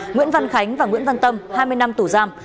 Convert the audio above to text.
nguyễn văn khánh và nguyễn văn tâm hai mươi năm tù giam